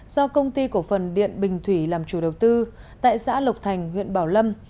do công ty cổ phần điện bình thủy làm chủ đầu tư tại xã lộc thành huyện bảo lâm